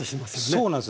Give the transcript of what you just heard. そうなんですよ。